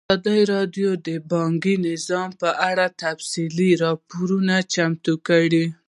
ازادي راډیو د بانکي نظام په اړه تفصیلي راپور چمتو کړی.